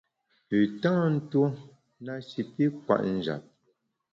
Pü tâ ntuo na shi pi kwet njap.